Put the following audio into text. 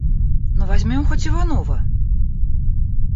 Но возьмем хоть Иванова.